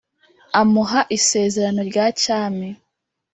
amuha isezerano rya cyami,